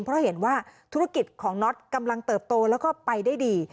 เพราะเห็นว่าธุรกิจของน็อตกำลังเติบโตแล้วก็ไปได้ดี